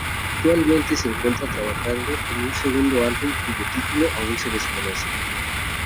Actualmente se encuentran trabajando en un segundo álbum cuyo título aún se desconoce.